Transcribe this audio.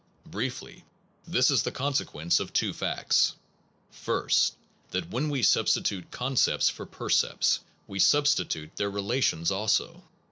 Briefly, this is a consequence "of two facts: First, that when we substitute concepts for Why con percepts, we substitute their rela inade ^ tions also.